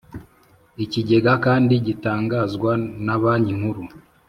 Ikigega kandi gitangazwa na Banki Nkuru